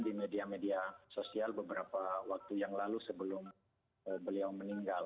di media media sosial beberapa waktu yang lalu sebelum beliau meninggal